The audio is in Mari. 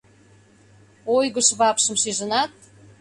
Ойгыш вапшым шижынат?